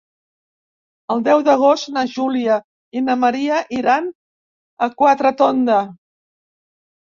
El deu d'agost na Júlia i na Maria iran a Quatretonda.